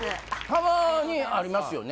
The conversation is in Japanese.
たまにありますよね